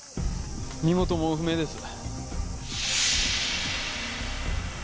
身元も不明です。